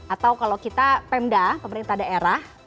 atau kalau kita pemda pemerintah daerah